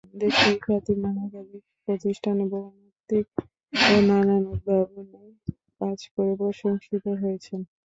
দেশের খ্যাতিমান একাধিক প্রতিষ্ঠানে বহুমাত্রিক ও নানান উদ্ভাবনী কাজ করে প্রশংসিত হয়েছেন।